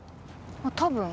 多分。